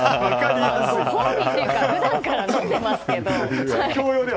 ご褒美っていうか普段から飲んでますけど。